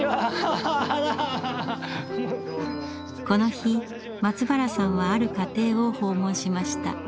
この日松原さんはある家庭を訪問しました。